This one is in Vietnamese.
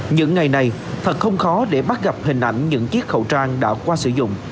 những ngày này thật không khó để bắt gặp hình ảnh những chiếc khẩu trang đã qua sử dụng